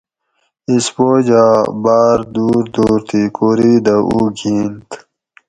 اسپوجا باۤر دُور دُور تھی کوری دہ اُو گِھئینت